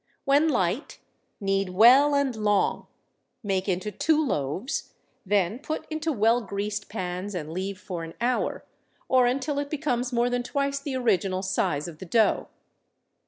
When light, knead well and long; make into two loaves, then put into well greased pans and leave for an hour, or until it becomes more than twice the original size of the dough.